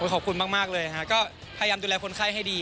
ขอบคุณมากเลยค่ะก็พยายามดูแลคนไข้ให้ดี